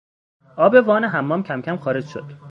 آب وان حمام کمکم خارج شد.